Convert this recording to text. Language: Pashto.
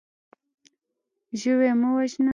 ژوی مه وژنه.